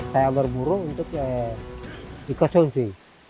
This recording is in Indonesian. saya bermuru untuk ikut sosi